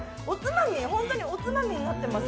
ホントにおつまみになってます。